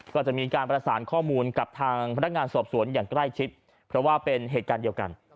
ก็จะมีการประสานข้อมูลกับทางพนักงานสอบสวนอย่างใกล้ชิดเพราะว่าเป็นเหตุการณ์เดียวกัน